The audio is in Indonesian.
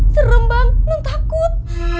serem bang nun takut